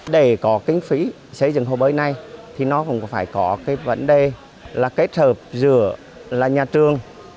để có kinh phí xây dựng hồ bơi này thì nó cũng phải có cái vấn đề là kết hợp giữa là nhà trường